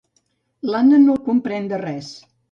L'Anna no el comprèn de res.